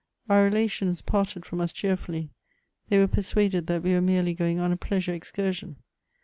Our relations parted from us cheerfully ; they were persuaded that we were merely going on a pleasure excursion.